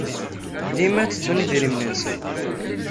Dima ttettun idrimen-nsen.